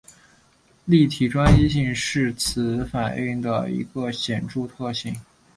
立体专一性是此反应的一个显着特征。